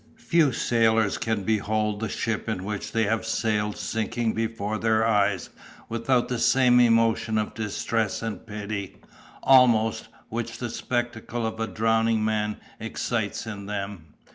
Few sailors can behold the ship in which they have sailed sinking before their eyes without the same emotion of distress and pity, almost, which the spectacle of a drowning man excites in them.